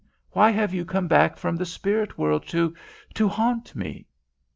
Why have you come back from the spirit world to to haunt me?"